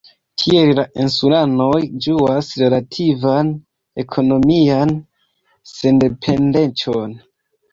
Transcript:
Tiel la insulanoj ĝuas relativan ekonomian sendependecon.